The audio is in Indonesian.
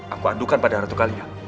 aku andukan pada ratu kalian